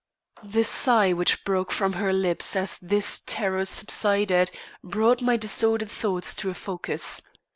The sigh which broke from her lips as this terror subsided, brought my disordered thoughts to a focus.